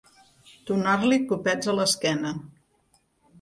Donar-li copets a l'esquena.